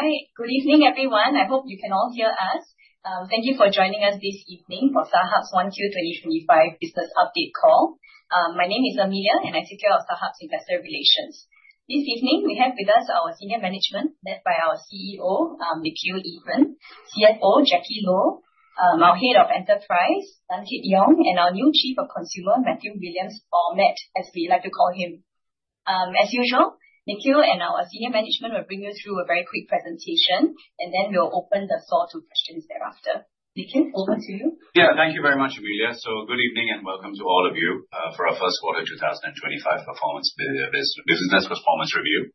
All right, good evening, everyone. I hope you can all hear us. Thank you for joining us this evening for StarHub's 1Q2025 Business Update Call. My name is Amelia, and I take care of StarHub's investor relations. This evening, we have with us our senior management, led by our CEO, Nikhil Eapen, CFO, Jacky Lo, our Head of Enterprise, San Kit Yong, and our new Chief of Consumer, Matthew Williams, or Matt, as we like to call him. As usual, Nikhil and our senior management will bring you through a very quick presentation, and then we'll open the floor to questions thereafter. Nikhil, over to you. Yeah, thank you very much, Amelia. Good evening and welcome to all of you for our First Quarter 2025 performance business performance review.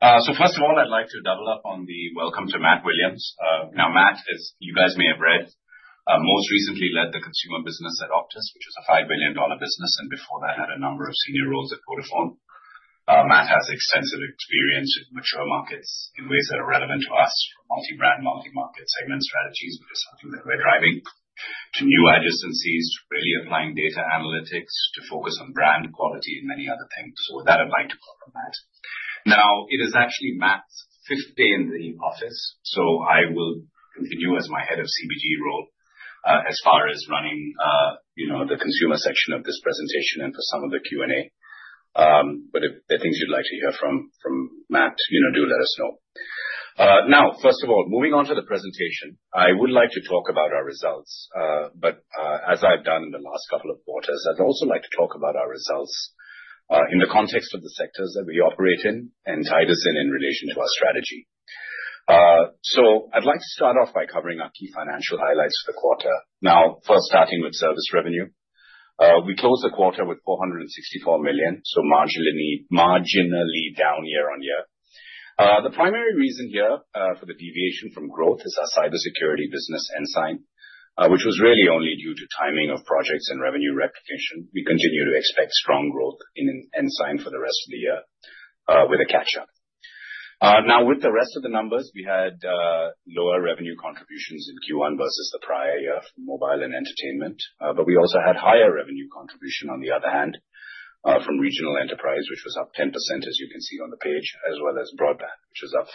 First of all, I'd like to double up on the welcome to Matt Williams. Now, Matt, as you guys may have read, most recently led the consumer business at Optus, which is a $5 billion business, and before that, had a number of senior roles at Vodafone. Matt has extensive experience in mature markets in ways that are relevant to us for multi-brand, multi-market segment strategies, which is something that we're driving to new adjustances, really applying data analytics to focus on brand quality and many other things. With that, I'd like to welcome Matt. Now, it is actually Matt's fifth day in the office, so I will continue as my Head of CBG role as far as running the consumer section of this presentation and for some of the Q&A. If there are things you'd like to hear from Matt, do let us know. Now, first of all, moving on to the presentation, I would like to talk about our results. As I've done in the last couple of quarters, I'd also like to talk about our results in the context of the sectors that we operate in and tie this in in relation to our strategy. I'd like to start off by covering our key financial highlights for the quarter. First, starting with service revenue, we closed the quarter with 464 million, so marginally down year-on-year. The primary reason here for the deviation from growth is our cybersecurity business Ensign, which was really only due to timing of projects and revenue replication. We continue to expect strong growth in Ensign for the rest of the year with a catch-up. Now, with the rest of the numbers, we had lower revenue contributions in Q1 versus the prior year for Mobile and Entertainment, but we also had higher revenue contribution on the other hand from Regional Enterprise, which was up 10%, as you can see on the page, as well as Broadband, which was up 5%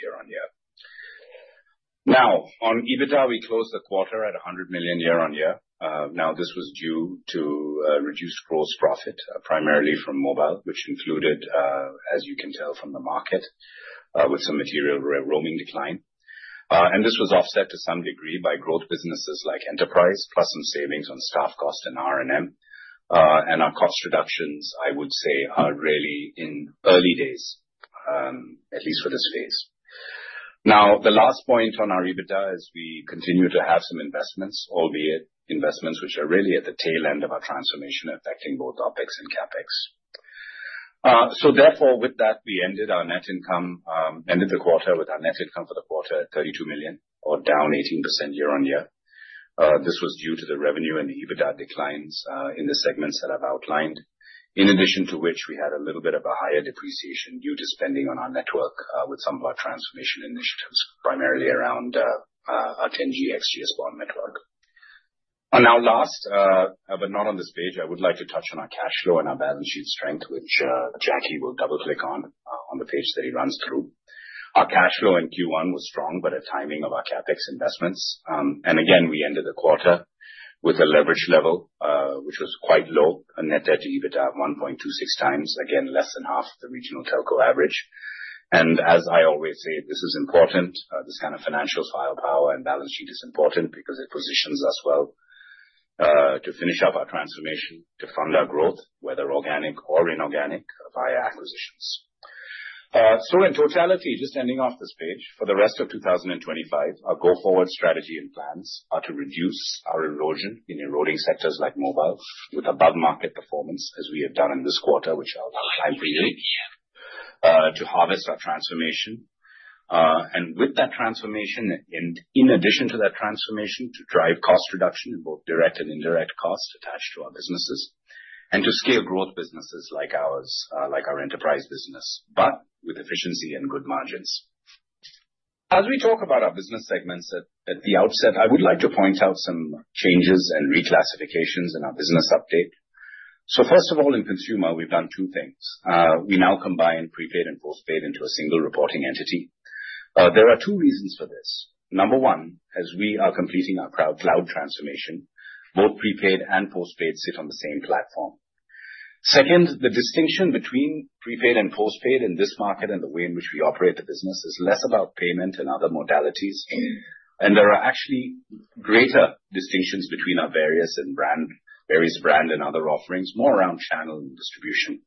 year-on-year. Now, on EBITDA, we closed the quarter at 100 million year on year. Now, this was due to reduced gross profit, primarily from Mobile, which included, as you can tell from the market, with some material roaming decline. This was offset to some degree by growth businesses like enterprise, plus some savings on staff cost and R&M. Our cost reductions, I would say, are really in early days, at least for this phase. The last point on our EBITDA as we continue to have some investments, albeit investments which are really at the tail end of our transformation affecting both OPEX and CAPEX. Therefore, with that, we ended our net income, ended the quarter with our net income for the quarter at 32 million, or down 18% year on year. This was due to the revenue and the EBITDA declines in the segments that I've outlined, in addition to which we had a little bit of a higher depreciation due to spending on our network with some of our transformation initiatives, primarily around our 10G XGS PON network. Now, last, but not on this page, I would like to touch on our cash flow and our balance sheet strength, which Jacky will double-click on on the page that it runs through. Our cash flow in Q1 was strong, but at timing of our CAPEX investments. Again, we ended the quarter with a leverage level which was quite low, a net debt to EBITDA of 1.26 times, again, less than half of the regional telco average. As I always say, this is important. This kind of financial firepower and balance sheet is important because it positions us well to finish up our transformation, to fund our growth, whether organic or inorganic via acquisitions. In totality, just ending off this page, for the rest of 2025, our go-forward strategy and plans are to reduce our erosion in eroding sectors like mobile with above-market performance, as we have done in this quarter, which I'll highlight briefly, to harvest our transformation. With that transformation, in addition to that transformation, to drive cost reduction in both direct and indirect costs attached to our businesses, and to scale growth businesses like our enterprise business, but with efficiency and good margins. As we talk about our business segments at the outset, I would like to point out some changes and reclassifications in our business update. First of all, in consumer, we've done two things. We now combine prepaid and postpaid into a single reporting entity. There are two reasons for this. Number one, as we are completing our cloud transformation, both prepaid and postpaid sit on the same platform. Second, the distinction between prepaid and postpaid in this market and the way in which we operate the business is less about payment and other modalities. There are actually greater distinctions between our various brands and other offerings, more around channel and distribution.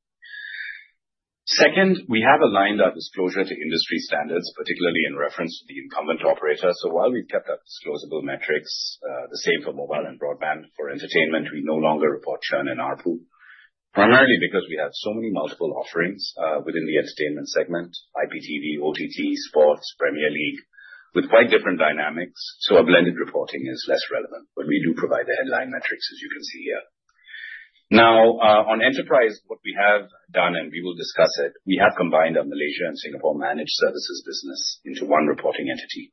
Second, we have aligned our disclosure to industry standards, particularly in reference to the incumbent operator. While we've kept our disclosable metrics the same for mobile and broadband, for entertainment, we no longer report churn and ARPU, primarily because we have so many multiple offerings within the entertainment segment, IPTV, OTT, sports, Premier League, with quite different dynamics. Our blended reporting is less relevant, but we do provide the headline metrics, as you can see here. Now, on enterprise, what we have done, and we will discuss it, we have combined our Malaysia and Singapore managed services business into one reporting entity.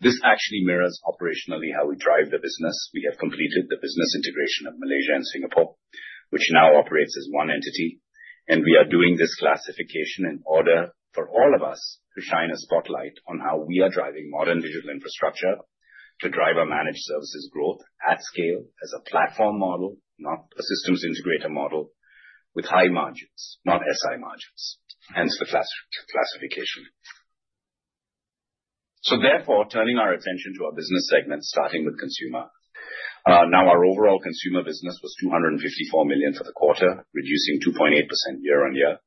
This actually mirrors operationally how we drive the business. We have completed the business integration of Malaysia and Singapore, which now operates as one entity. We are doing this classification in order for all of us to shine a spotlight on how we are driving modern digital infrastructure to drive our managed services growth at scale as a platform model, not a systems integrator model, with high margins, not SI margins, hence the classification. Therefore, turning our attention to our business segment, starting with consumer. Now, our overall consumer business was 254 million for the quarter, reducing 2.8% year on year,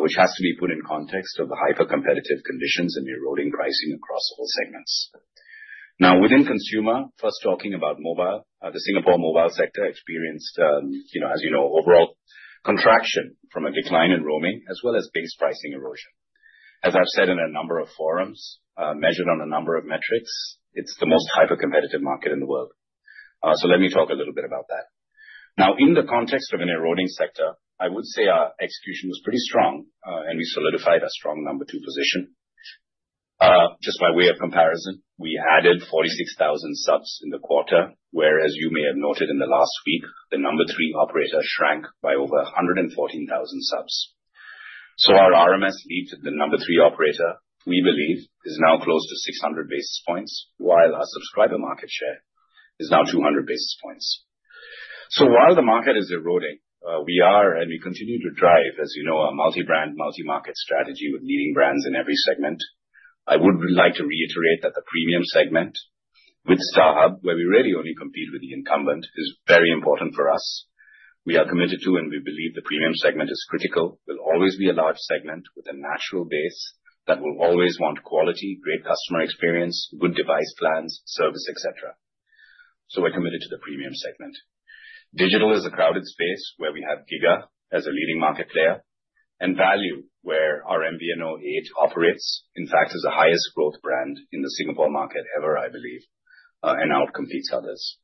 which has to be put in context of the hyper-competitive conditions and eroding pricing across all segments. Now, within consumer, first talking about mobile, at the Singapore mobile sector experienced, as you know, overall contraction from a decline in roaming, as well as base pricing erosion. As I've said in a number of forums, measured on a number of metrics, it's the most hyper-competitive market in the world. Let me talk a little bit about that. In the context of an eroding sector, I would say our execution was pretty strong, and we solidified a strong number two position. Just by way of comparison, we added 46,000 subs in the quarter, where, as you may have noted in the last week, the number three operator shrank by over 114,000 subs. Our RMS leap to the number three operator, we believe, is now close to 600 basis points, while our subscriber market share is now 200 basis points. While the market is eroding, we are, and we continue to drive, as you know, a multi-brand, multi-market strategy with leading brands in every segment. I would like to reiterate that the premium segment with StarHub, where we really only compete with the incumbent, is very important for us. We are committed to, and we believe the premium segment is critical. It will always be a large segment with a natural base that will always want quality, great customer experience, good device plans, service, et cetera. We are committed to the premium segment. Digital is a crowded space where we have Giga as a leading market player, and Value, where our MVNO operates, in fact, is the highest growth brand in the Singapore market ever, I believe, and outcompetes others.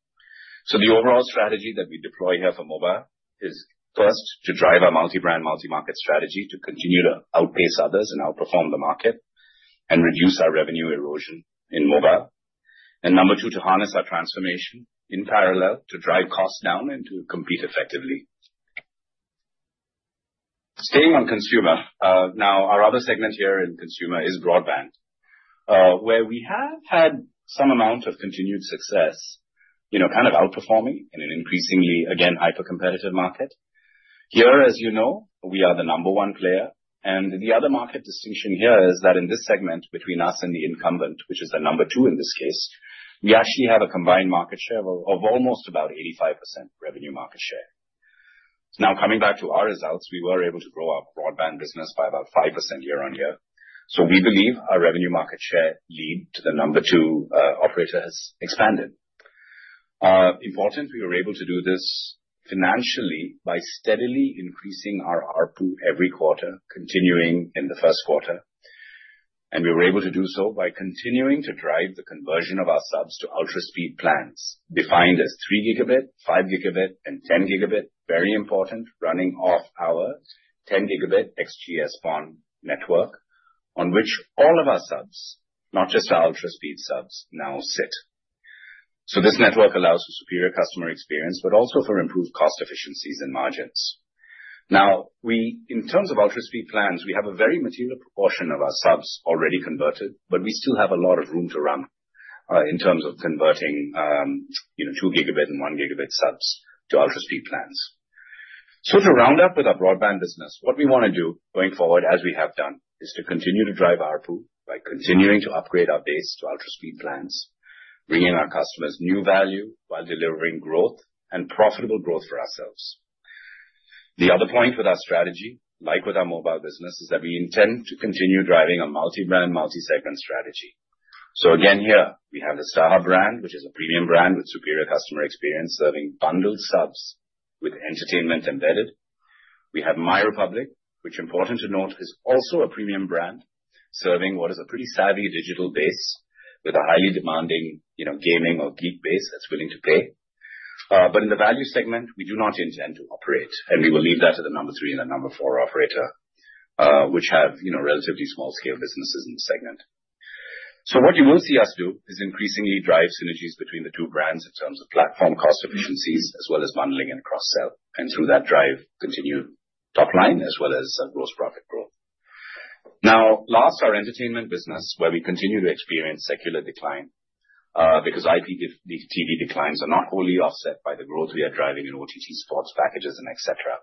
The overall strategy that we deploy here for mobile is, first, to drive our multi-brand, multi-market strategy to continue to outpace others and outperform the market and reduce our revenue erosion in mobile. Number two, to harness our transformation in parallel to drive costs down and to compete effectively. Staying on consumer, now, our other segment here in consumer is broadband, where we have had some amount of continued success, kind of outperforming in an increasingly, again, hyper-competitive market. Here, as you know, we are the number one player. The other market distinction here is that in this segment, between us and the incumbent, which is the number two in this case, we actually have a combined market share of almost about 85% revenue market share. Now, coming back to our results, we were able to grow our broadband business by about 5% year on year. We believe our revenue market share lead to the number two operator has expanded. Important, we were able to do this financially by steadily increasing our ARPU every quarter, continuing in the first quarter. We were able to do so by continuing to drive the conversion of our subs to ultra-speed plans defined as 3 Gb, 5 Gb, and 10 Gb, very important, running off our 10 Gb XGS PON network, on which all of our subs, not just our ultra-speed subs, now sit. This network allows for superior customer experience, but also for improved cost efficiencies and margins. In terms of ultra-speed plans, we have a very material proportion of our subs already converted, but we still have a lot of room to run in terms of converting 2 Gb and 1 Gb subs to ultra-speed plans. To round up with our broadband business, what we want to do going forward, as we have done, is to continue to drive our ARPU by continuing to upgrade our base to ultra-speed plans, bringing our customers new value while delivering growth and profitable growth for ourselves. The other point with our strategy, like with our mobile business, is that we intend to continue driving a multi-brand, multi-segment strategy. Again, here, we have the StarHub brand, which is a premium brand with superior customer experience, serving bundled subs with entertainment embedded. We have My Republic, which, important to note, is also a premium brand, serving what is a pretty savvy digital base with a highly demanding gaming or geek base that's willing to pay. In the value segment, we do not intend to operate, and we will leave that to the number three and the number four operator, which have relatively small-scale businesses in the segment. What you will see us do is increasingly drive synergies between the two brands in terms of platform cost efficiencies, as well as bundling and cross-sell, and through that drive, continue top line as well as gross profit growth. Now, last, our entertainment business, where we continue to experience secular decline because IPTV declines are not wholly offset by the growth we are driving in OTT sports packages and etc.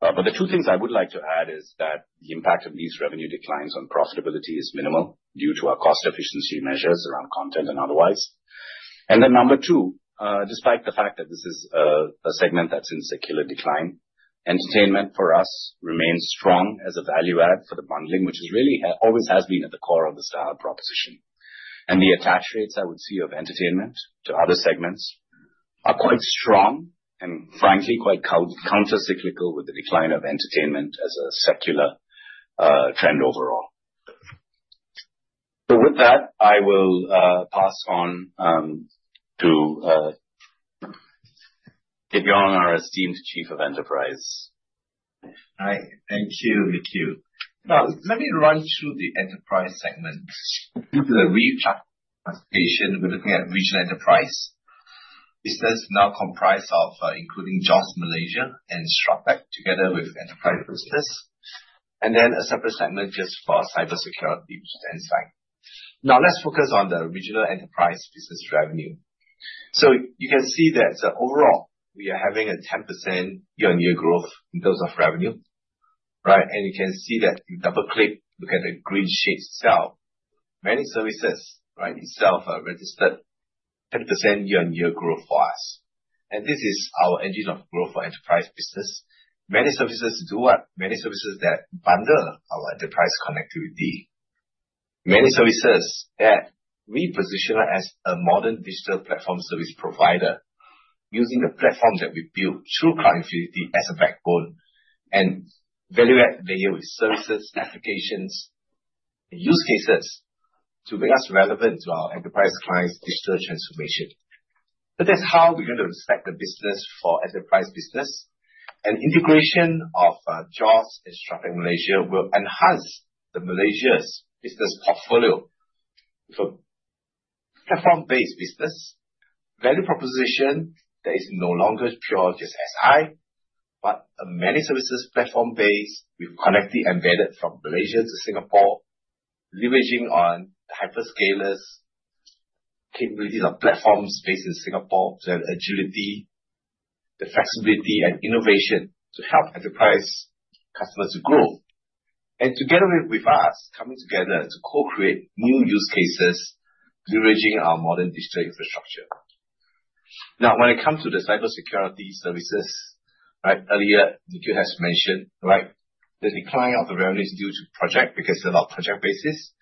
The two things I would like to add is that the impact of these revenue declines on profitability is minimal due to our cost efficiency measures around content and otherwise. Number two, despite the fact that this is a segment that's in secular decline, entertainment for us remains strong as a value add for the bundling, which really always has been at the core of the StarHub proposition. The attach rates I would see of entertainment to other segments are quite strong and, frankly, quite countercyclical with the decline of entertainment as a secular trend overall. With that, I will pass on to Kit Yong, our esteemed Chief of Enterprise. Hi. Thank you, Nikhil. Now, let me run through the enterprise segments into the region. We're looking at regional enterprise. This does now comprise of including JOSS Malaysia and StratTech together with enterprise business. A separate segment just for cybersecurity stands by. Now, let's focus on the regional enterprise business revenue. You can see that overall, we are having a 10% year-on-year growth in terms of revenue, right. You can see that if you double-click, look at the green shade itself, many services itself are registered 10% year-on-year growth for us. This is our engine of growth for enterprise business. Many services do what? Many services that bundle our enterprise connectivity. Many services that we position as a modern digital platform service provider using the platform that we build through Cloud Infinity as a backbone and value-add layer with services, applications, and use cases to make us relevant to our enterprise clients' digital transformation. That is how we are going to respect the business for enterprise business. Integration of JOSS and StratTech Malaysia will enhance Malaysia's business portfolio for platform-based business value proposition that is no longer pure just SI, but many services platform-based with connected embedded from Malaysia to Singapore, leveraging on the hyperscalers' capabilities of platforms based in Singapore to have agility, the flexibility, and innovation to help enterprise customers to grow. Together with us, coming together to co-create new use cases, leveraging our modern digital infrastructure. Now, when it comes to the cybersecurity services, right, earlier, Nikhil has mentioned, right, the decline of the revenue is due to project because it's about project basis.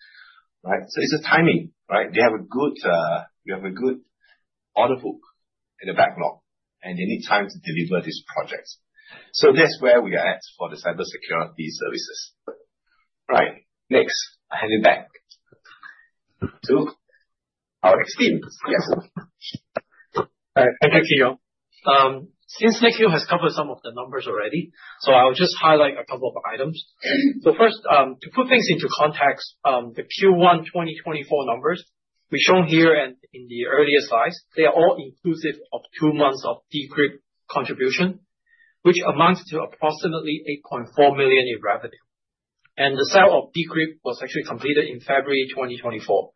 It's a timing. They have a good order book in the backlog, and they need time to deliver these projects. That's where we are at for the cybersecurity services. Next, I hand it back to our esteemed guest. Thank you, Nikhil. Since Nikhil has covered some of the numbers already, I'll just highlight a couple of items. First, to put things into context, the Q1 2024 numbers we show here and in the earlier slides are all inclusive of two months of DCRIP contribution, which amounts to approximately 8.4 million in revenue. The sale of DCRIP was actually completed in February 2024.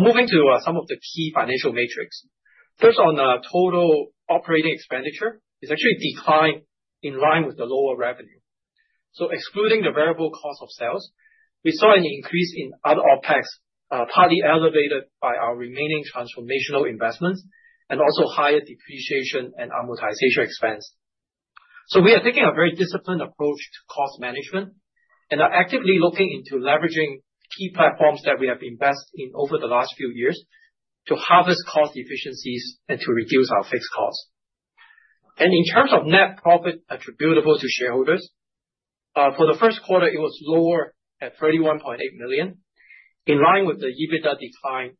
Moving to some of the key financial metrics, first, on the total operating expenditure, it actually declined in line with the lower revenue. Excluding the variable cost of sales, we saw an increase in other OPEX, partly elevated by our remaining transformational investments and also higher depreciation and amortization expense. We are taking a very disciplined approach to cost management and are actively looking into leveraging key platforms that we have invested in over the last few years to harvest cost efficiencies and to reduce our fixed costs. In terms of net profit attributable to shareholders, for the first quarter, it was lower at 31.8 million, in line with the EBITDA decline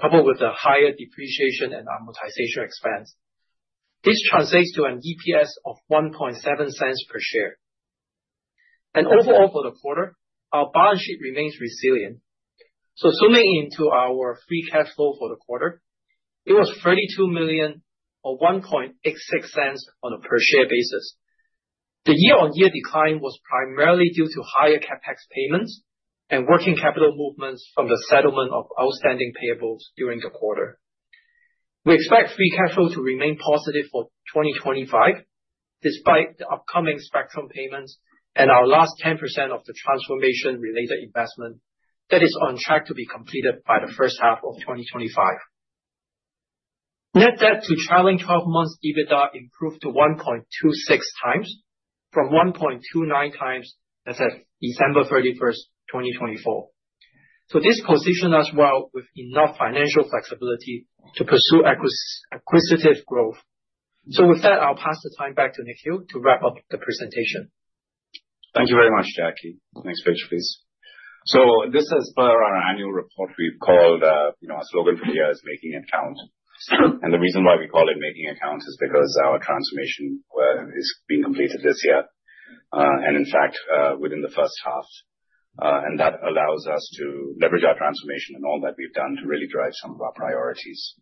coupled with the higher depreciation and amortization expense. This translates to an EPS of 0.017 per share. Overall, for the quarter, our balance sheet remains resilient. Zooming into our free cash flow for the quarter, it was 32 million or 0.0186 on a per-share basis. The year-on-year decline was primarily due to higher CapEx payments and working capital movements from the settlement of outstanding payables during the quarter. We expect free cash flow to remain positive for 2025, despite the upcoming spectrum payments and our last 10% of the transformation-related investment that is on track to be completed by the first half of 2025. Net debt to trailing 12 months EBITDA improved to 1.26 times from 1.29 times as of December 31st, 2024. This positioned us well with enough financial flexibility to pursue acquisitive growth. With that, I'll pass the time back to Nikhil to wrap up the presentation. Thank you very much, Jacky. Next page, please. This is part of our annual report. We've called our slogan for the year "Making it Count." The reason why we call it "Making it Count" is because our transformation is being completed this year, and in fact, within the first half. That allows us to leverage our transformation and all that we've done to really drive some of our priorities.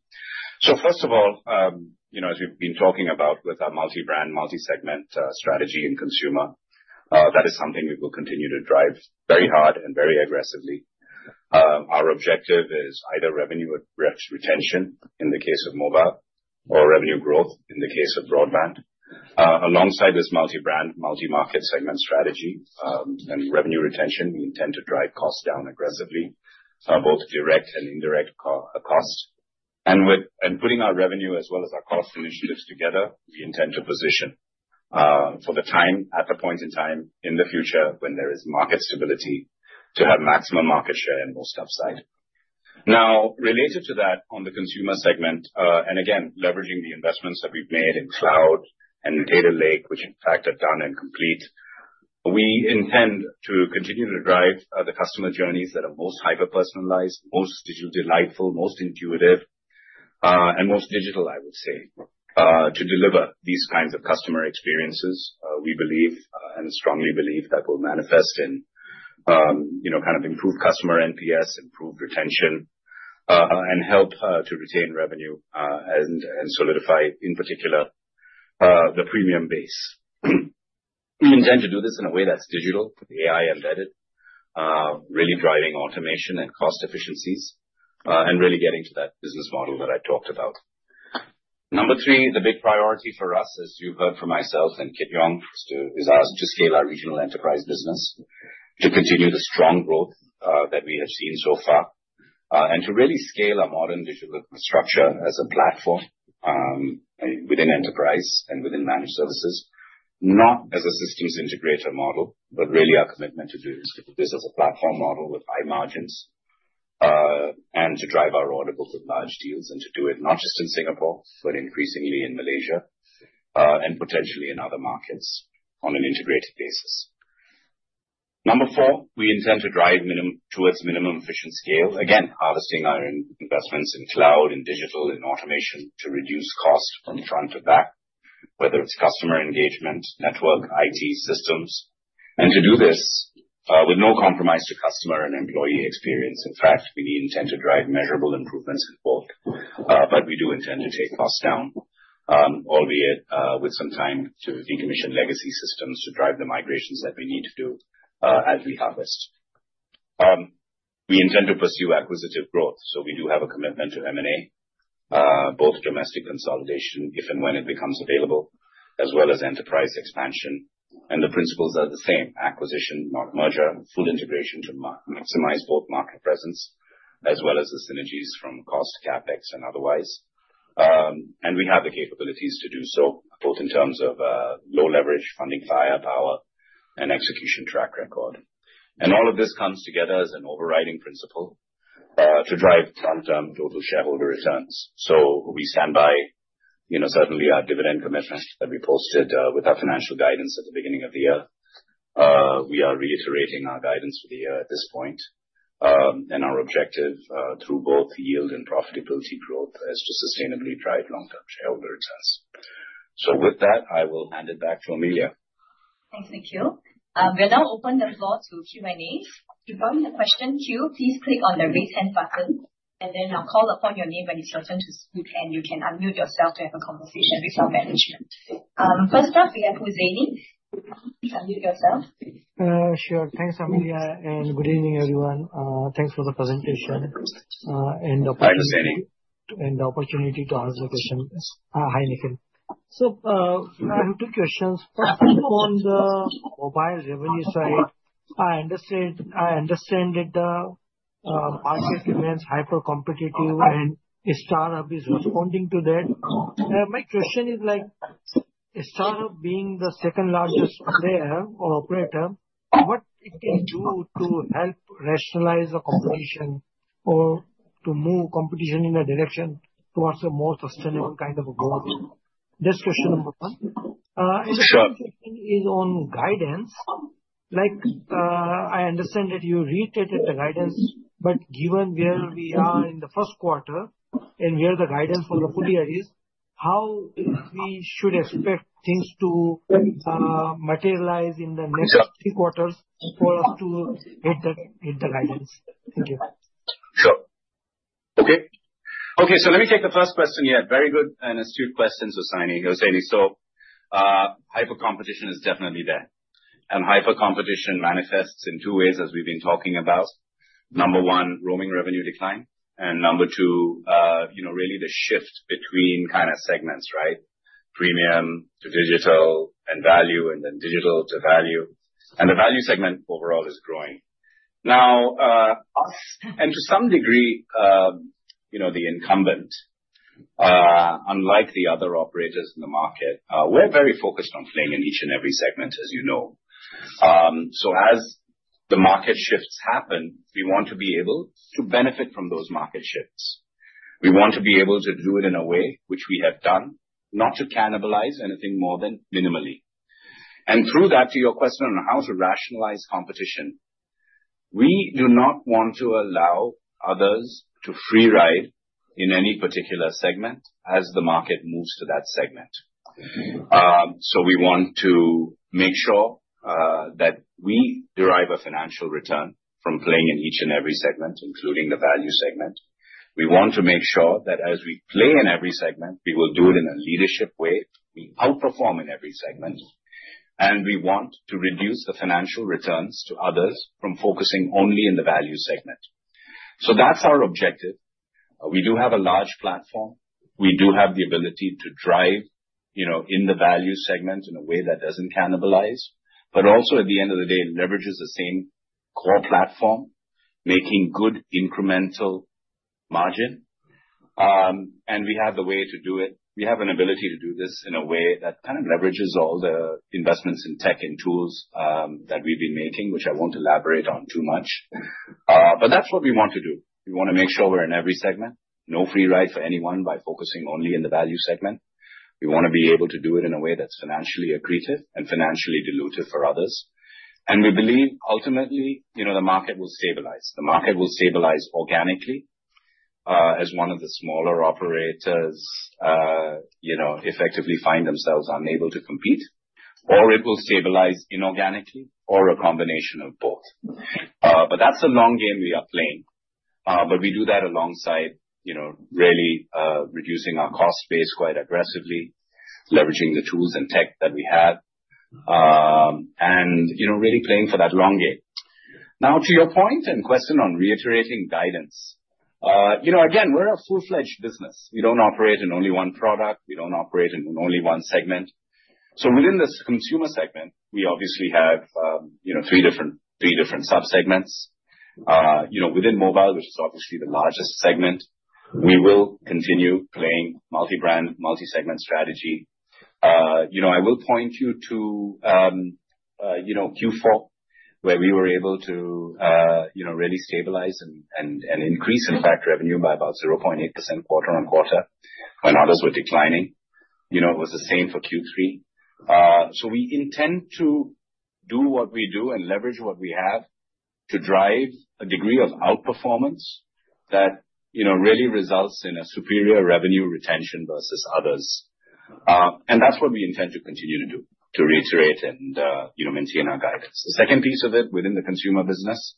First of all, as we've been talking about with our multi-brand, multi-segment strategy in consumer, that is something we will continue to drive very hard and very aggressively. Our objective is either revenue retention in the case of mobile or revenue growth in the case of broadband. Alongside this multi-brand, multi-market segment strategy and revenue retention, we intend to drive costs down aggressively, both direct and indirect costs. Putting our revenue as well as our cost initiatives together, we intend to position for the time, at the point in time in the future when there is market stability to have maximum market share and most upside. Now, related to that on the consumer segment, and again, leveraging the investments that we've made in Cloud and Data Lake, which in fact are done and complete, we intend to continue to drive the customer journeys that are most hyper-personalized, most digital delightful, most intuitive, and most digital, I would say, to deliver these kinds of customer experiences. We believe and strongly believe that will manifest in kind of improved customer NPS, improved retention, and help to retain revenue and solidify, in particular, the premium base. We intend to do this in a way that's digital, AI embedded, really driving automation and cost efficiencies, and really getting to that business model that I talked about. Number three, the big priority for us, as you've heard from myself and Kit Yong, is ours to scale our regional enterprise business, to continue the strong growth that we have seen so far, and to really scale our modern digital infrastructure as a platform within enterprise and within managed services, not as a systems integrator model, but really our commitment to do this as a platform model with high margins and to drive our order book with large deals and to do it not just in Singapore, but increasingly in Malaysia and potentially in other markets on an integrated basis. Number four, we intend to drive towards minimum efficient scale, again, harvesting our investments in Cloud, in digital, in automation to reduce cost from front to back, whether it's customer engagement, network, IT systems, and to do this with no compromise to customer and employee experience. In fact, we intend to drive measurable improvements in both, but we do intend to take costs down, albeit with some time to decommission legacy systems to drive the migrations that we need to do as we harvest. We intend to pursue acquisitive growth. We do have a commitment to M&A, both domestic consolidation if and when it becomes available, as well as enterprise expansion. The principles are the same: acquisition, not merger, full integration to maximize both market presence as well as the synergies from cost, CapEx, and otherwise. We have the capabilities to do so, both in terms of low leverage funding via power and execution track record. All of this comes together as an overriding principle to drive long-term total shareholder returns. We stand by, certainly, our dividend commitment that we posted with our financial guidance at the beginning of the year. We are reiterating our guidance for the year at this point. Our objective through both yield and profitability growth is to sustainably drive long-term shareholder returns. With that, I will hand it back to Amelia. Thanks, Nikhil. We'll now open the floor to Q&A. If you have a question, please click on the raise hand button, and then I'll call upon your name when it's your turn to speak, and you can unmute yourself to have a conversation with our management. First up, we have Hwee Chaya. Please unmute yourself. Sure. Thanks, Amelia. Good evening, everyone. Thanks for the presentation and the opportunity to answer the question. Hi, Nikhil. I have two questions. First, on the mobile revenue side, I understand that the market remains hyper-competitive, and StarHub is responding to that. My question is, StarHub being the second largest player or operator, what can it do to help rationalize the competition or to move competition in a direction towards a more sustainable kind of growth? That is question number one. The second is on guidance. I understand that you are retaking the guidance, but given where we are in the first quarter and where the guidance for the full year is, how should we expect things to materialize in the next three quarters for us to hit the guidance? Thank you. Okay. Okay. Let me take the first question here. Very good and astute questions assigned we go steady. Hyper-competition is definitely there. Hyper-competition manifests in two ways, as we have been talking about. Number one, roaming revenue decline. Number two, really the shift between kind of segments, right? Premium to digital and value and then digital to value. The value segment overall is growing. Now, us, and to some degree, the incumbent, unlike the other operators in the market, we are very focused on playing in each and every segment, as you know. As the market shifts happen, we want to be able to benefit from those market shifts. We want to be able to do it in a way which we have done, not to cannibalize anything more than minimally. Through that, to your question on how to rationalize competition, we do not want to allow others to free ride in any particular segment as the market moves to that segment. We want to make sure that we derive a financial return from playing in each and every segment, including the value segment. We want to make sure that as we play in every segment, we will do it in a leadership way. We outperform in every segment. We want to reduce the financial returns to others from focusing only in the value segment. That is our objective. We do have a large platform. We do have the ability to drive in the value segment in a way that does not cannibalize, but also, at the end of the day, leverages the same core platform, making good incremental margin. We have the way to do it. We have an ability to do this in a way that kind of leverages all the investments in tech and tools that we have been making, which I will not elaborate on too much. That is what we want to do. We want to make sure we are in every segment, no free ride for anyone by focusing only in the value segment. We want to be able to do it in a way that's financially accretive and financially dilutive for others. We believe, ultimately, the market will stabilize. The market will stabilize organically as one of the smaller operators effectively find themselves unable to compete, or it will stabilize inorganically or a combination of both. That is the long game we are playing. We do that alongside really reducing our cost base quite aggressively, leveraging the tools and tech that we have, and really playing for that long game. Now, to your point and question on reiterating guidance, again, we're a full-fledged business. We don't operate in only one product. We don't operate in only one segment. Within this consumer segment, we obviously have three different subsegments. Within mobile, which is obviously the largest segment, we will continue playing multi-brand, multi-segment strategy. I will point you to Q4, where we were able to really stabilize and increase, in fact, revenue by about 0.8% quarter on quarter when others were declining. It was the same for Q3. We intend to do what we do and leverage what we have to drive a degree of outperformance that really results in a superior revenue retention versus others. That is what we intend to continue to do, to reiterate and maintain our guidance. The second piece of it within the consumer business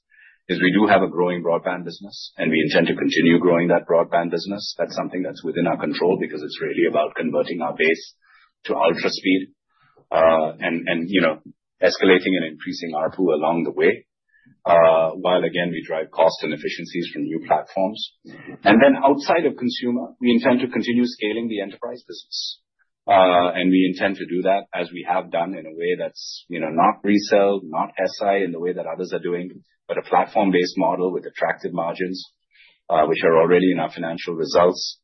is we do have a growing broadband business, and we intend to continue growing that broadband business. That is something that is within our control because it is really about converting our base to ultra-speed and escalating and increasing our pool along the way, while, again, we drive cost and efficiencies from new platforms. Outside of consumer, we intend to continue scaling the enterprise business. We intend to do that as we have done in a way that's not resale, not SI in the way that others are doing, but a platform-based model with attractive margins, which are already in our financial results.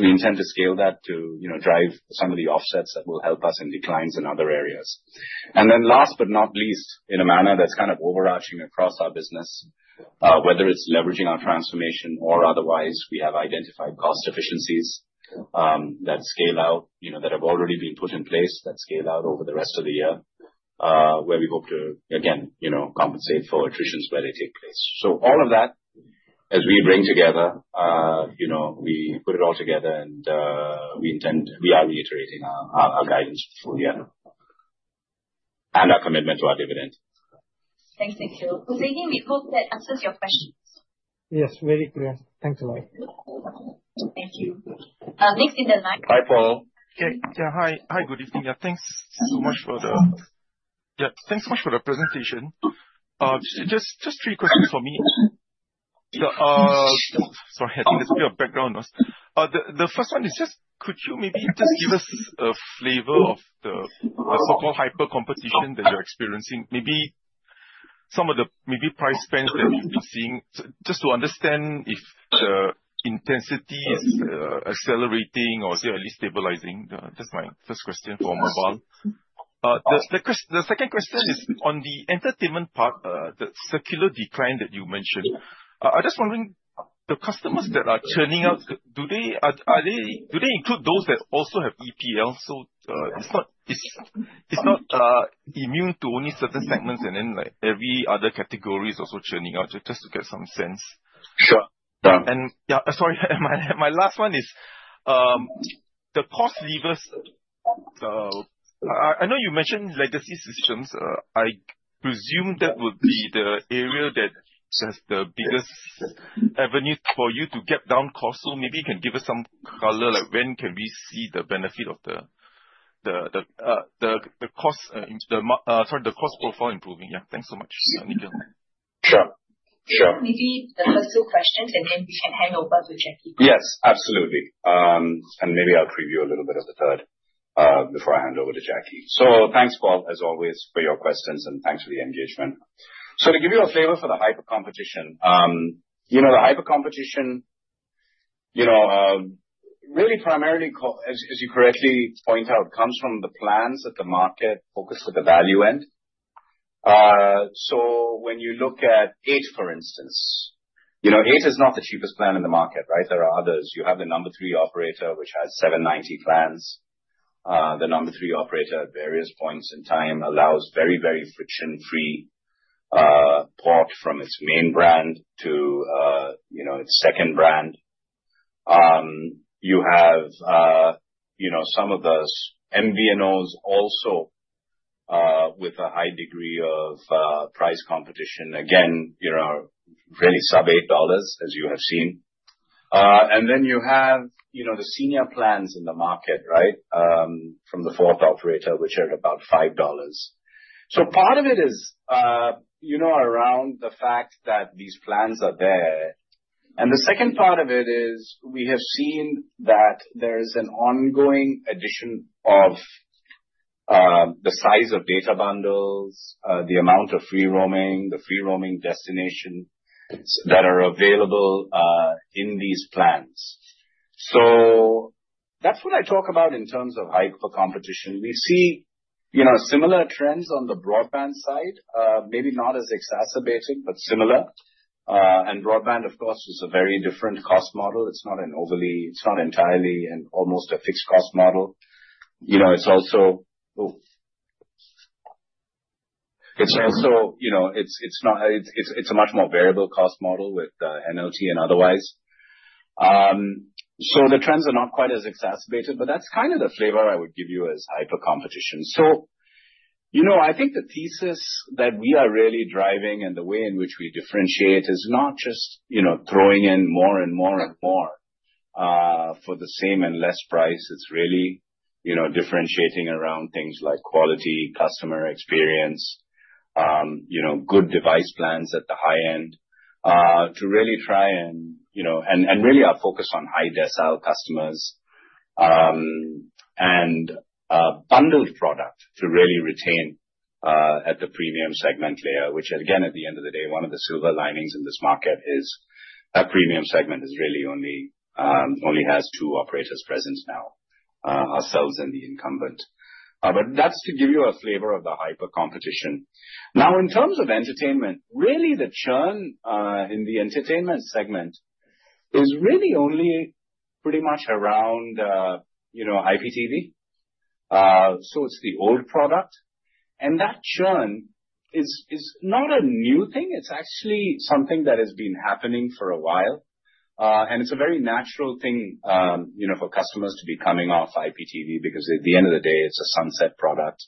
We intend to scale that to drive some of the offsets that will help us in declines in other areas. Last but not least, in a manner that's kind of overarching across our business, whether it's leveraging our transformation or otherwise, we have identified cost efficiencies that scale out, that have already been put in place, that scale out over the rest of the year, where we hope to, again, compensate for attritions where they take place. All of that, as we bring together, we put it all together, and we are reiterating our guidance for the year and our commitment to our dividend. Thanks, Nikhil. Hwee Chaya, we hope that answers your questions. Yes, very clear. Thanks a lot. Next in the. Hi, Paul. Yeah. Hi. Hi, good evening. Thanks so much for the, yeah. Thanks so much for the presentation. Just three questions for me. Sorry, I think there's a bit of background noise. The first one is just, could you maybe just give us a flavor of the so-called hyper-competition that you're experiencing? Maybe some of the, maybe price spans that you've been seeing, just to understand if the intensity is accelerating or at least stabilizing. That's my first question for mobile. The second question is on the entertainment part, the circular decline that you mentioned. I'm just wondering, the customers that are churning out, do they include those that also have EPL? It is not immune to only certain segments, and then every other category is also churning out, just to get some sense. Sure. Yeah. Sorry. My last one is the cost levers. I know you mentioned legacy systems. I presume that would be the area that has the biggest avenue for you to get down cost. Maybe you can give us some color, like when can we see the benefit of the cost, sorry, the cost profile improving. Yeah. Thanks so much, Nikhil. Sure. Sure. Maybe the first two questions, and then we can hand over to Jacky. Yes, absolutely. Maybe I'll preview a little bit of the third before I hand over to Jacky. Thanks, Paul, as always, for your questions, and thanks for the engagement. To give you a flavor for the hyper-competition, the hyper-competition really primarily, as you correctly point out, comes from the plans that the market focuses at the value end. When you look at Eight, for instance, Eight is not the cheapest plan in the market, right? There are others. You have the number three operator, which has 7.90 plans. The number three operator, at various points in time, allows very, very friction-free port from its main brand to its second brand. You have some of those MVNOs also with a high degree of price competition, again, really sub 8, as you have seen. You have the senior plans in the market, right, from the fourth operator, which are about 5 dollars. Part of it is around the fact that these plans are there. The second part of it is we have seen that there is an ongoing addition of the size of data bundles, the amount of free roaming, the free roaming destinations that are available in these plans. That is what I talk about in terms of hyper-competition. We see similar trends on the broadband side, maybe not as exacerbated, but similar. Broadband, of course, is a very different cost model. It is not an overly, it is not entirely and almost a fixed cost model. It is also, it is a much more variable cost model with NLT and otherwise. The trends are not quite as exacerbated, but that is kind of the flavor I would give you as hyper-competition. I think the thesis that we are really driving and the way in which we differentiate is not just throwing in more and more and more for the same and less price. It's really differentiating around things like quality, customer experience, good device plans at the high end to really try and really our focus on high decile customers and bundled product to really retain at the premium segment layer, which, again, at the end of the day, one of the silver linings in this market is that premium segment really only has two operators present now, ourselves and the incumbent. That's to give you a flavor of the hyper-competition. Now, in terms of entertainment, really the churn in the entertainment segment is really only pretty much around IPTV. It's the old product. That churn is not a new thing. It's actually something that has been happening for a while. It's a very natural thing for customers to be coming off IPTV because, at the end of the day, it's a sunset product.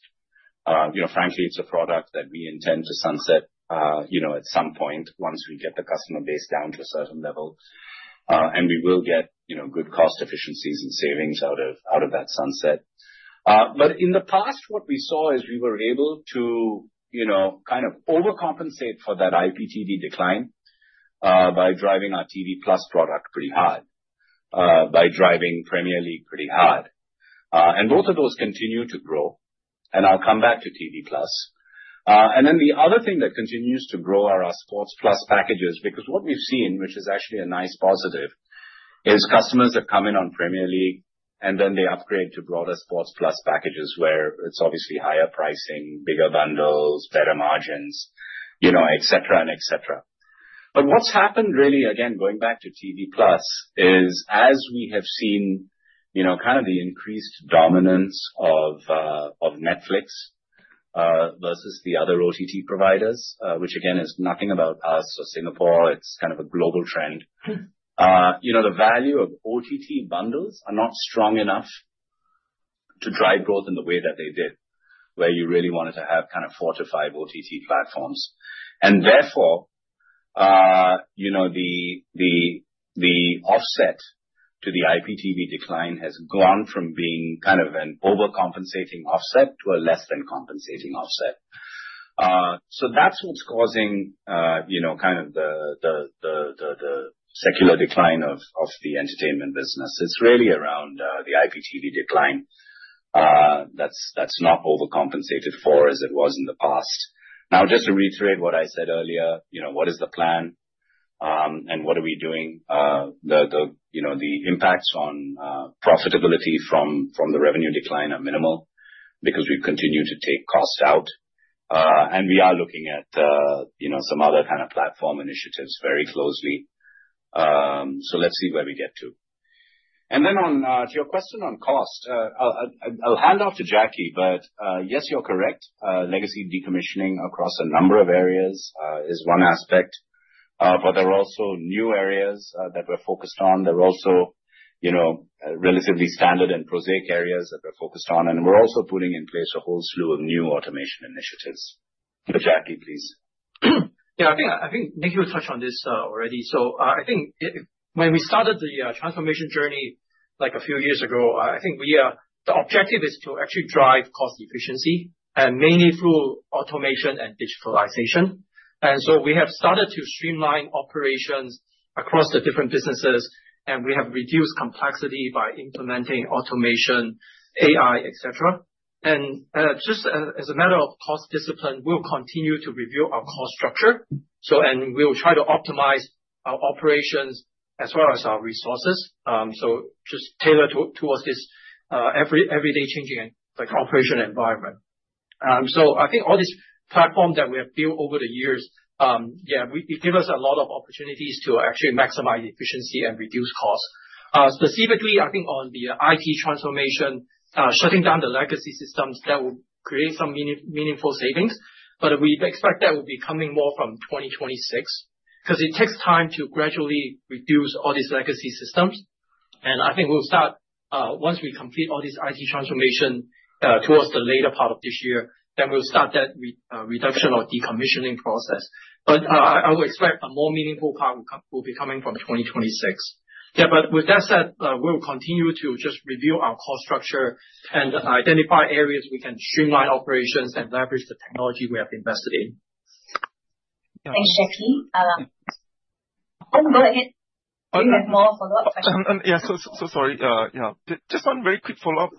Frankly, it's a product that we intend to sunset at some point once we get the customer base down to a certain level. We will get good cost efficiencies and savings out of that sunset. In the past, what we saw is we were able to kind of overcompensate for that IPTV decline by driving our TV Plus product pretty hard, by driving Premier League pretty hard. Both of those continue to grow. I'll come back to TV Plus. The other thing that continues to grow are our Sports Plus packages because what we've seen, which is actually a nice positive, is customers have come in on Premier League, and then they upgrade to broader Sports Plus packages where it's obviously higher pricing, bigger bundles, better margins, et cetera., and et cetera. What's happened really, again, going back to TV Plus, is as we have seen kind of the increased dominance of Netflix versus the other OTT providers, which, again, is nothing about us or Singapore. It's kind of a global trend. The value of OTT bundles are not strong enough to drive growth in the way that they did, where you really wanted to have kind of four to five OTT platforms. Therefore, the offset to the IPTV decline has gone from being kind of an overcompensating offset to a less than compensating offset. That's what's causing kind of the secular decline of the entertainment business. It's really around the IPTV decline that's not overcompensated for as it was in the past. Now, just to reiterate what I said earlier, what is the plan, and what are we doing? The impacts on profitability from the revenue decline are minimal because we continue to take cost out. We are looking at some other kind of platform initiatives very closely. Let's see where we get to. To your question on cost, I'll hand off to Jacky, but yes, you're correct. Legacy decommissioning across a number of areas is one aspect, but there are also new areas that we're focused on. There are also relatively standard and prosaic areas that we're focused on. We're also putting in place a whole slew of new automation initiatives. Jacky, please. Yeah. I think Nikhil touched on this already. When we started the transformation journey a few years ago, I think the objective is to actually drive cost efficiency, mainly through automation and digitalization. We have started to streamline operations across the different businesses, and we have reduced complexity by implementing automation, AI, et cetera. Just as a matter of cost discipline, we'll continue to review our cost structure. We'll try to optimize our operations as well as our resources, just tailored towards this everyday changing operation environment. I think all these platforms that we have built over the years, yeah, it gives us a lot of opportunities to actually maximize efficiency and reduce costs. Specifically, I think on the IT transformation, shutting down the legacy systems, that will create some meaningful savings. We expect that will be coming more from 2026 because it takes time to gradually reduce all these legacy systems. I think we'll start once we complete all this IT transformation towards the later part of this year, then we'll start that reduction or decommissioning process. I would expect a more meaningful part will be coming from 2026. Yeah. With that said, we'll continue to just review our cost structure and identify areas we can streamline operations and leverage the technology we have invested in. Thanks, Jacky. Go ahead. You have more follow-up questions. Yeah. Sorry. Just one very quick follow-up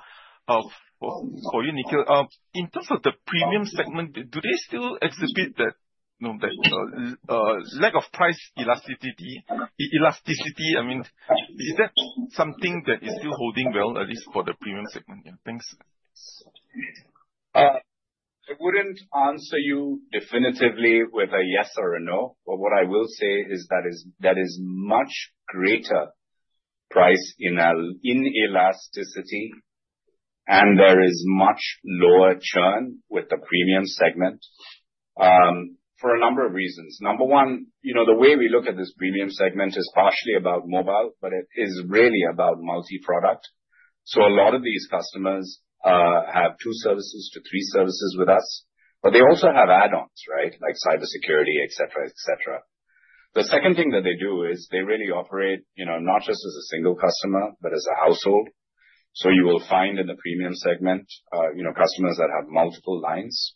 for you, Nikhil. In terms of the premium segment, do they still exhibit that lack of price elasticity? I mean, is that something that is still holding well, at least for the premium segment? Yeah. Thanks. I wouldn't answer you definitively with a yes or a no. What I will say is that is much greater price inelasticity, and there is much lower churn with the premium segment for a number of reasons. Number one, the way we look at this premium segment is partially about mobile, but it is really about multi-product. A lot of these customers have two services to three services with us, but they also have add-ons, right, like cybersecurity, et cetera., et cetera. The second thing that they do is they really operate not just as a single customer, but as a household. You will find in the premium segment customers that have multiple lines.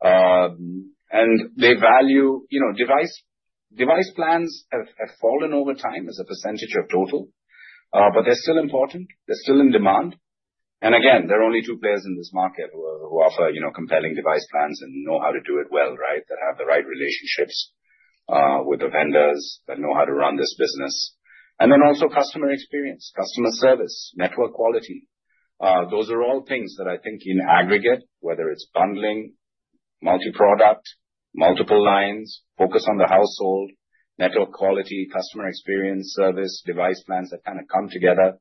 The value of device plans has fallen over time as a percentage of total, but they are still important. They are still in demand. There are only two players in this market who offer compelling device plans and know how to do it well, right, that have the right relationships with the vendors that know how to run this business. Also, customer experience, customer service, network quality. Those are all things that I think in aggregate, whether it is bundling, multi-product, multiple lines, focus on the household, network quality, customer experience, service, device plans that kind of come together.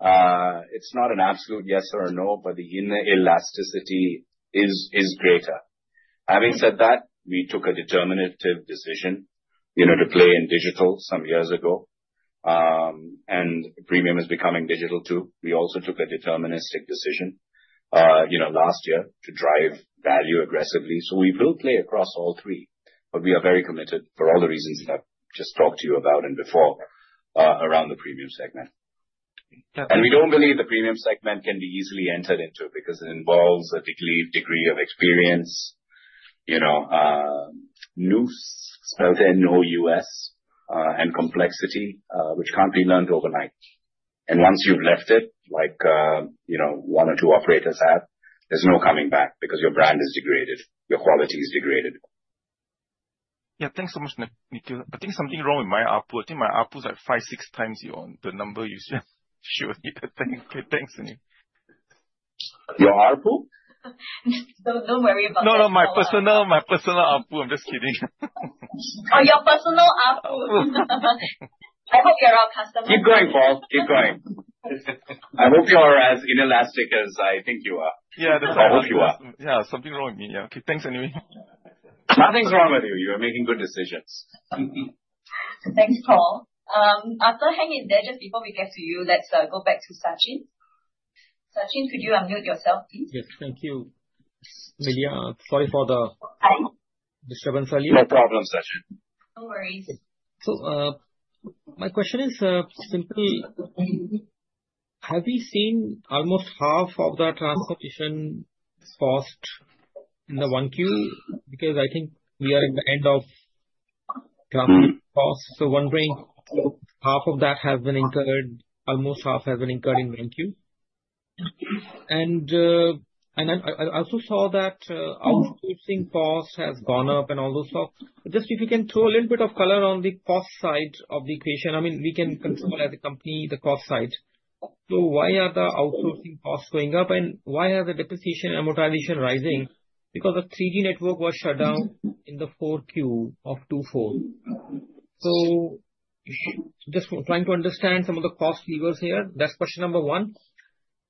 It is not an absolute yes or no, but the elasticity is greater. Having said that, we took a determinative decision to play in digital some years ago. Premium is becoming digital too. We also took a deterministic decision last year to drive value aggressively. We will play across all three, but we are very committed for all the reasons that I've just talked to you about and before around the premium segment. We don't believe the premium segment can be easily entered into because it involves a degree of experience, NOUS, spelled N-O-U-S and complexity, which can't be learned overnight. Once you've left it, like one or two operators have, there's no coming back because your brand is degraded, your quality is degraded. Yeah. Thanks so much, Nikhil. I think something wrong with my ARPU. I think my ARPU is like five, six times the number you should. Thanks. Your ARPU? Don't worry about that. No, no, my personal ARPU. I'm just kidding. Your personal ARPU. I hope you're our customer. Keep going, Paul. Keep going. I hope you are as inelastic as I think you are. Yeah. Thats right. That's what I hope you are. Yeah. Okay. Thanks anyway. Something wrong with me. Yeah. Okay. Thanks, anyway. Nothing's wrong with you. Thanks, Paul. After hanging there, just before we get to you, let's go back to Sachin. Sachin, could you unmute yourself, please? Yes. Thank you. Lilia. Sorry for the disturbance earlier. No problem, Sachin. No worries. My question is simple. Have we seen almost half of the transportation cost in the 1Q? I think we are at the end of transport costs. Wondering if half of that has been incurred, almost half has been incurred in 1Q. I also saw that outsourcing cost has gone up and all those stuff. If you can throw a little bit of color on the cost side of the equation, I mean, we can control as a company the cost side. Why are the outsourcing costs going up, and why are the depreciation and amortization rising? Because the 3G network was shut down in the fourth quarter of 2024. Just trying to understand some of the cost levers here. That's question number one.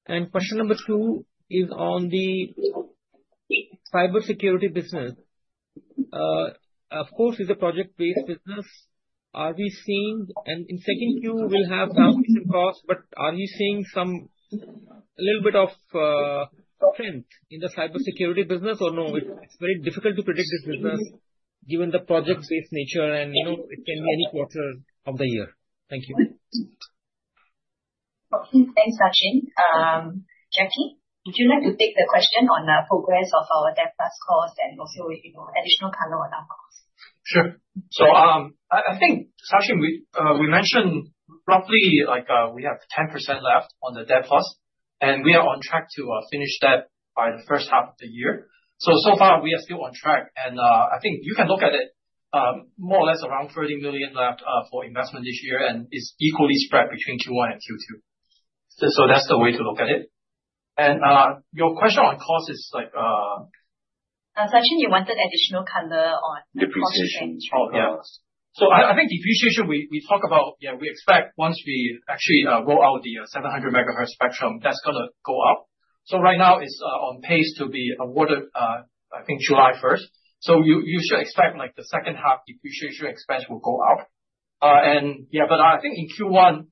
Question number two is on the cybersecurity business. Of course, it's a project-based business. Are we seeing, and in second quarter, we'll have transportation costs, but are you seeing a little bit of strength in the cybersecurity business or no? It's very difficult to predict this business given the project-based nature, and it can be any quarter of the year. Thank you. Okay. Thanks, Sachin. Jacky, would you like to take the question on the progress of our DevPlus calls and also additional color on our calls? Sure. I think, Sachin, we mentioned roughly we have 10% left on the DevPlus, and we are on track to finish that by the first half of the year. So far, we are still on track. I think you can look at it more or less around 30 million left for investment this year, and it is equally spread between Q1 and Q2. That is the way to look at it. Your question on cost is like, Sachin, you wanted additional color on cost change. Yeah. I think depreciation, we talk about, yeah, we expect once we actually roll out the 700MHz spectrum, that is going to go up. Right now, it is on pace to be awarded, I think, July 1. You should expect the second half depreciation expense will go up. Yeah, I think in Q1,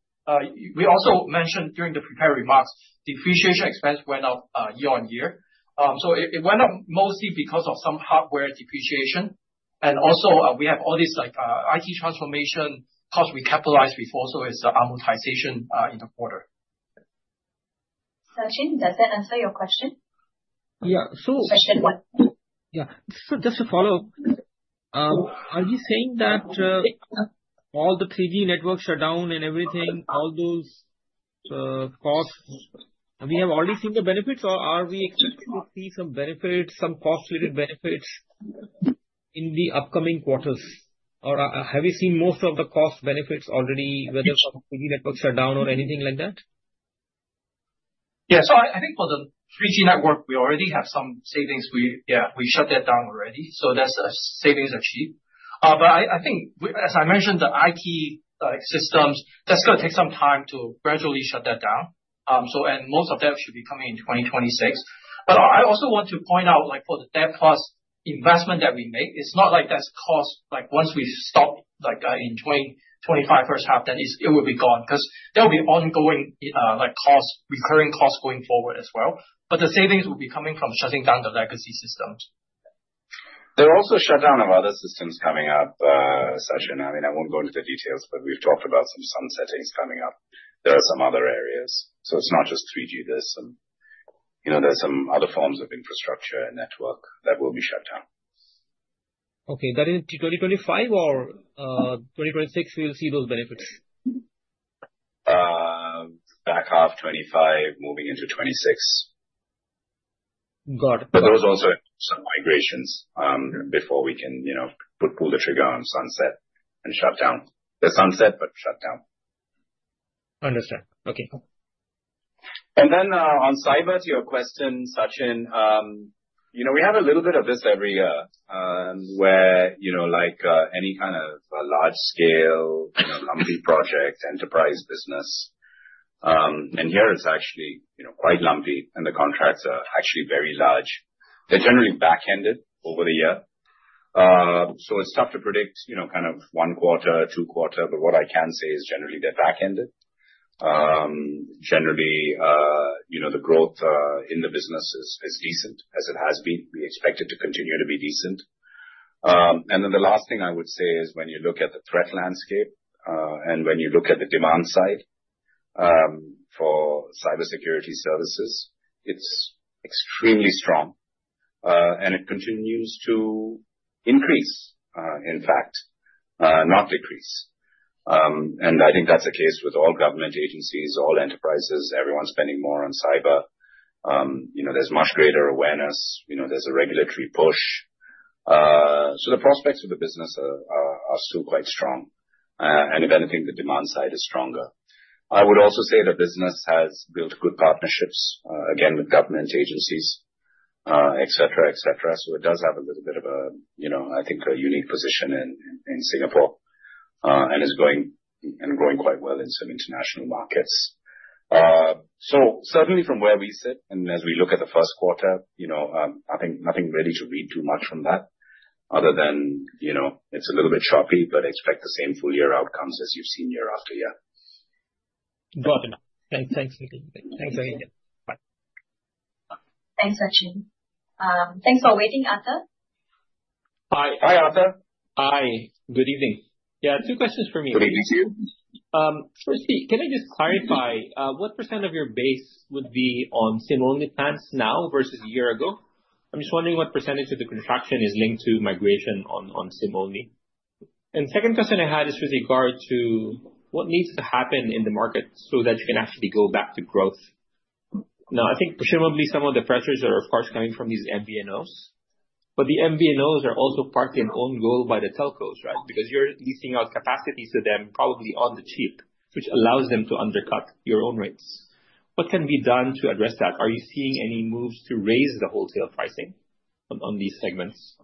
we also mentioned during the prepared remarks, depreciation expense went up year-on-year. It went up mostly because of some hardware depreciation. Also, we have all these IT transformation costs we capitalized before, so it is amortization in the quarter. Sachin, does that answer your question? Yeah. Question one. Just to follow up, are you saying that all the 3G network shut down and everything, all those costs, we have already seen the benefits, or are we expecting to see some cost-related benefits in the upcoming quarters? Or have you seen most of the cost benefits already, whether from 3G network shut down or anything like that? Yeah, I think for the 3G network, we already have some savings. We shut that down already, so that is savings achieved. I think, as I mentioned, the IT systems, that's going to take some time to gradually shut that down. Most of that should be coming in 2026. I also want to point out for the DevPlus investment that we make, it's not like that's cost once we stop in 2025 first half, then it will be gone because there will be ongoing recurring costs going forward as well. The savings will be coming from shutting down the legacy systems. There are also shutdown of other systems coming up, Sachin. I mean, I won't go into the details, but we've talked about some settings coming up. There are some other areas. It's not just 3G. There's some other forms of infrastructure and network that will be shut down. Okay. That is in 2025 or 2026 we'll see those benefits? Back half 2025, moving into 2026. Got it. There was also some migrations before we can pull the trigger on sunset and shut down. There is sunset, but shut down. I understand. Okay. On cyber, to your question, Sachin, we have a little bit of this every year where any kind of large-scale lumpy project, enterprise business. Here, it's actually quite lumpy, and the contracts are actually very large. They are generally back-ended over the year. It's tough to predict kind of one quarter, two quarter. What I can say is generally they are back-ended. Generally, the growth in the business is decent as it has been. We expect it to continue to be decent. The last thing I would say is when you look at the threat landscape and when you look at the demand side for cybersecurity services, it's extremely strong. It continues to increase, in fact, not decrease. I think that's the case with all government agencies, all enterprises, everyone's spending more on cyber. There's much greater awareness. There's a regulatory push. The prospects of the business are still quite strong. If anything, the demand side is stronger. I would also say the business has built good partnerships, again, with government agencies, et cetera., et cetera. It does have a little bit of a, I think, a unique position in Singapore and is going and growing quite well in some international markets. Certainly from where we sit, and as we look at the first quarter, I think nothing ready to read too much from that other than it's a little bit choppy, but expect the same full year outcomes as you've seen year after year. Got it. Thanks, Nikhil. Thanks again. Bye. Thanks, Sachin. Thanks for waiting, Arthur. Hi, Arthur. Hi. Good evening. Yeah. Two questions for me to raise. Good evening to you. Firstly, can I just clarify what percentage of your base would be on SIM-only plans now versus a year ago? I'm just wondering what percentage of the contraction is linked to migration on SIM-only. The second question I had is with regard to what needs to happen in the market so that you can actually go back to growth. Now, I think presumably some of the pressures are, of course, coming from these MVNOs. The MVNOs are also partly on goal by the telcos, right? Because you're leasing out capacity to them probably on the cheap, which allows them to undercut your own rates. What can be done to address that? Are you seeing any moves to raise the wholesale pricing on these segments?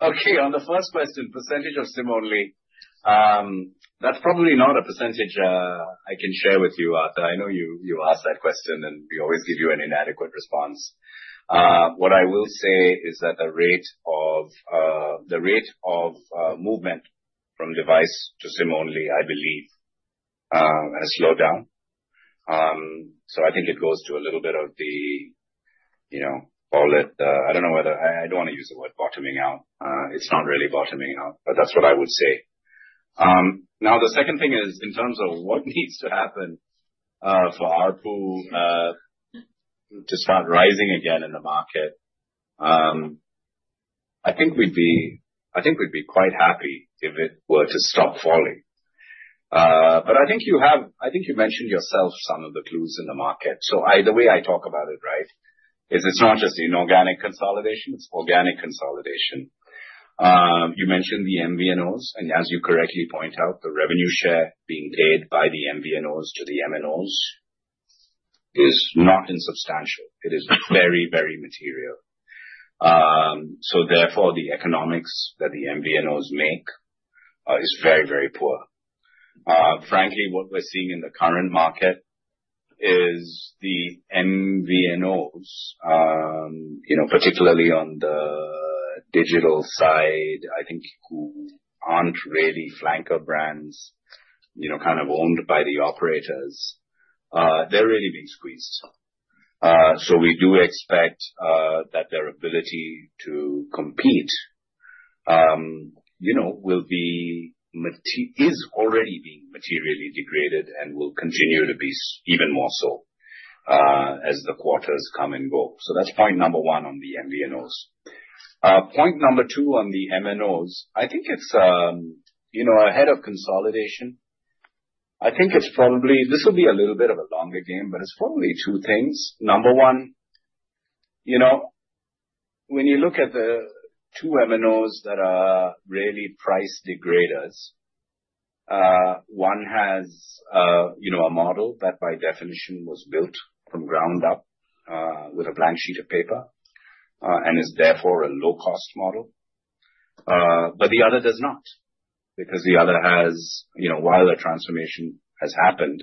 Okay. On the first question, percentage of SIM-only, that's probably not a percentage I can share with you, Arthur. I know you asked that question, and we always give you an inadequate response. What I will say is that the rate of movement from device to SIM-only, I believe, has slowed down. I think it goes to a little bit of the, call it I don't know whether I don't want to use the word bottoming out. It's not really bottoming out, but that's what I would say. Now, the second thing is in terms of what needs to happen for ARPU to start rising again in the market, I think we'd be quite happy if it were to stop falling. I think you have, I think you mentioned yourself, some of the clues in the market. The way I talk about it, right, is it's not just inorganic consolidation. It's organic consolidation. You mentioned the MVNOs. As you correctly point out, the revenue share being paid by the MVNOs to the MNOs is not insubstantial. It is very, very material. Therefore, the economics that the MVNOs make is very, very poor. Frankly, what we're seeing in the current market is the MVNOs, particularly on the digital side, I think who aren't really flanker brands kind of owned by the operators, they're really being squeezed. We do expect that their ability to compete is already being materially degraded and will continue to be even more so as the quarters come and go. That's point number one on the MVNOs. Point number two on the MNOs, I think it's ahead of consolidation. I think it's probably this will be a little bit of a longer game, but it's probably two things. Number one, when you look at the two MNOs that are really price degraders, one has a model that by definition was built from ground up with a blank sheet of paper and is therefore a low-cost model. The other does not because the other has, while the transformation has happened,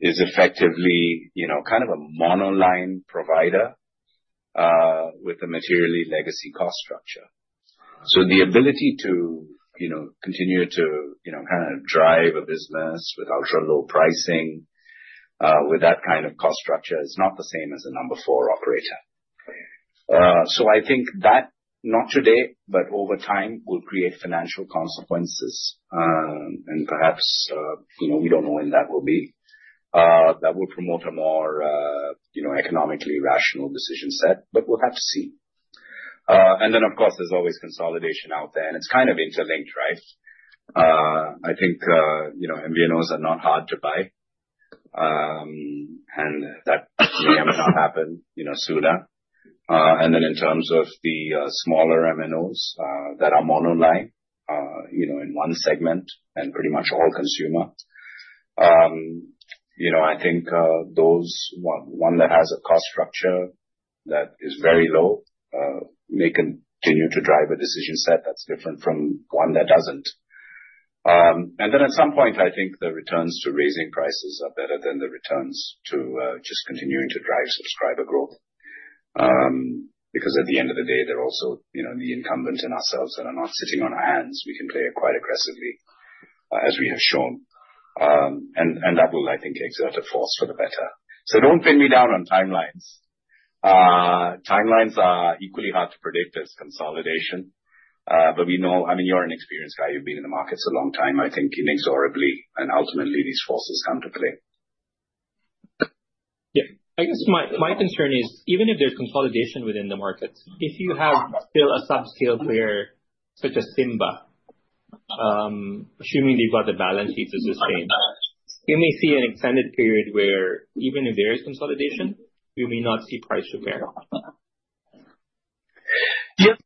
is effectively kind of a monoline provider with a materially legacy cost structure. The ability to continue to kind of drive a business with ultra-low pricing with that kind of cost structure is not the same as a number four operator. I think that not today, but over time will create financial consequences. Perhaps we don't know when that will be. That will promote a more economically rational decision set, but we'll have to see. Of course, there is always consolidation out there, and it is kind of interlinked, right? I think MVNOs are not hard to buy, and that may or may not happen sooner. In terms of the smaller MNOs that are monoline in one segment and pretty much all consumer, I think one that has a cost structure that is very low may continue to drive a decision set that is different from one that does not. At some point, I think the returns to raising prices are better than the returns to just continuing to drive subscriber growth. Because at the end of the day, they are also the incumbents and ourselves that are not sitting on our hands. We can play it quite aggressively, as we have shown. That will, I think, exert a force for the better. Do not pin me down on timelines. Timelines are equally hard to predict as consolidation. I mean, you're an experienced guy. You've been in the markets a long time. I think inexorably and ultimately, these forces come to play. Yeah. I guess my concern is even if there's consolidation within the markets, if you have still a subscale player such as Simba, assuming they've got the balance sheets to sustain, you may see an extended period where even if there is consolidation, you may not see price repair. Yes.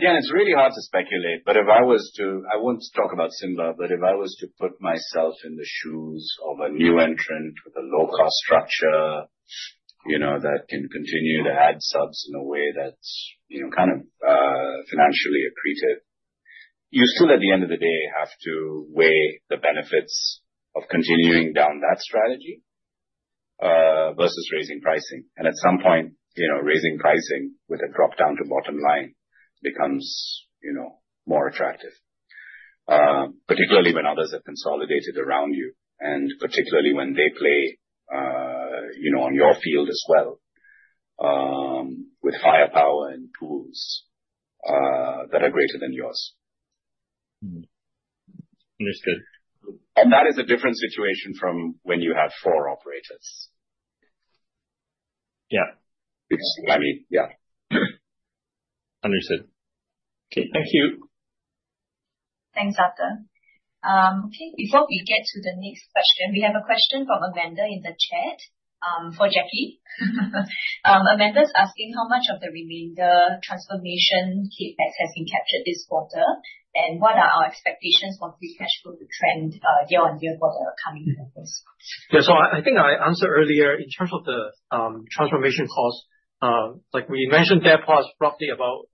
Again, it's really hard to speculate. If I was to—I won't talk about Simba—but if I was to put myself in the shoes of a new entrant with a low-cost structure that can continue to add subs in a way that's kind of financially accretive, you still, at the end of the day, have to weigh the benefits of continuing down that strategy versus raising pricing. At some point, raising pricing with a dropdown to bottom line becomes more attractive, particularly when others have consolidated around you and particularly when they play on your field as well with firepower and tools that are greater than yours. Understood. That is a different situation from when you had four operators. Yeah. I mean, yeah. Understood. Okay. Thank you. Thanks, Arthur. Okay. Before we get to the next question, we have a question from Amanda in the chat for Jacky. Amanda is asking how much of the remainder transformation CapEx has been captured this quarter, and what are our expectations for pre-cash flow to trend year on year for the coming quarters? Yeah. I think I answered earlier in terms of the transformation cost. We mentioned DevPlus, roughly about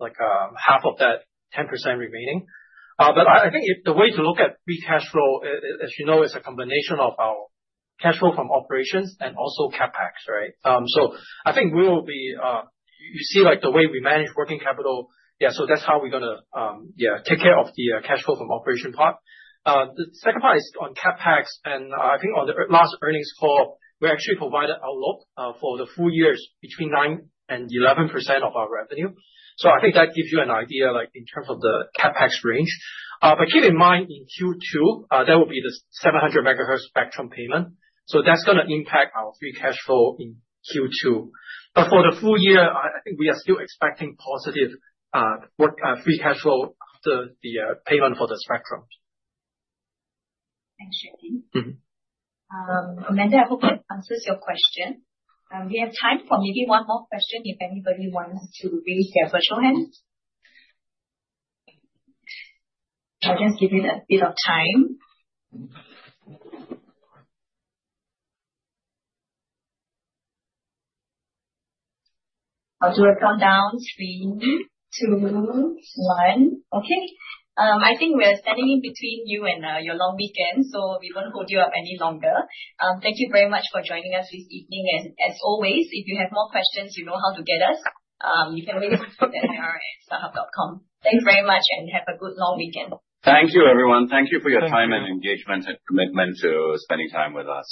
half of that 10% remaining. I think the way to look at pre-cash flow, as you know, is a combination of our cash flow from operations and also CapEx, right? I think you see the way we manage working capital. Yeah. That's how we're going to take care of the cash flow from operation part. The second part is on CapEx. I think on the last earnings call, we actually provided a look for the full years between 9% to 11% of our revenue. I think that gives you an idea in terms of the CapEx range. But keep in mind, in Q2, there will be the 700MHz spectrum payment. That's going to impact our pre-cash flow in Q2. For the full year, I think we are still expecting positive pre-cash flow after the payment for the spectrum. Thanks, Jacky. Amanda, I hope that answers your question. We have time for maybe one more question if anybody wants to raise their virtual hand. I'll just give it a bit of time. I'll do a countdown. Three, two, one. Okay. I think we're standing in between you and your long weekend, so we won't hold you up any longer. Thank you very much for joining us this evening. As always, if you have more questions, you know how to get us. You can reach us at hr@starhub.com. Thanks very much, and have a good long weekend. Thank you, everyone. Thank you for your time and engagement and commitment to spending time with us.